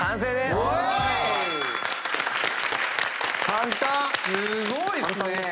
すごいっすね！